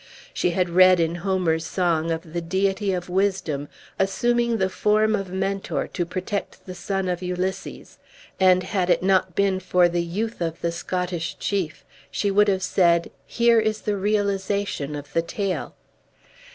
She had read, in Homer's song, of the deity of wisdom assuming the form of Mentor to protect the son of Ulysses, and had it not been for the youth of the Scottish chief, she would have said, here is the realization of the tale.